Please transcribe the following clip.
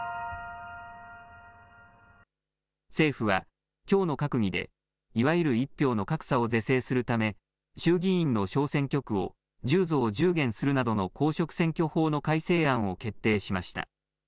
政府は、きょうの閣議で、いわゆる１票の格差を是正するため、衆議院の小選挙区を、１０増１０減するなどの公職選挙法の改正案を決定しました。